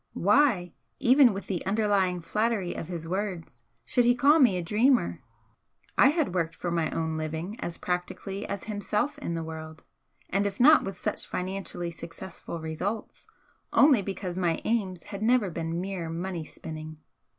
Why, even with the underlying flattery of his words, should he call me a dreamer? I had worked for my own living as practically as himself in the world, and if not with such financially successful results, only because my aims had never been mere money spinning.